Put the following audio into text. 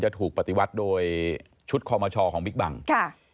จะถูกปฏิวัติโดยชุดคอมเมอร์ชอของมิกบังค์